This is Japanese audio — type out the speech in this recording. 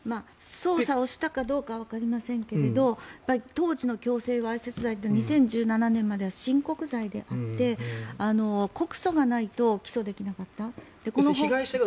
捜査をしたかどうかはわかりませんが当時の強制わいせつ罪というのは２０１７年までは親告罪であって告訴がないと起訴できなかった。